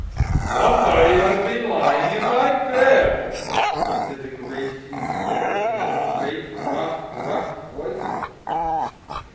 "SOMEBODY HAS BEEN LYING IN MY BED!" said the Great Huge Bear, in his great, rough, gruff voice.